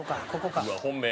うわっ本命。